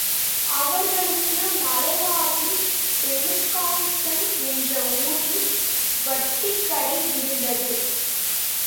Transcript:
அவர்களுக்கு மலேயாவில் டெலுக்கான்சன் என்ற ஊரில் வட்டிக்கடை இருந்தது.